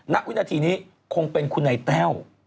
นักวินาทีนี้คงเป็นคุณไหนแต้ว